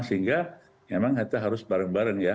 sehingga memang kita harus bareng bareng ya